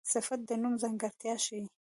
صفت د نوم ځانګړتیا ښيي.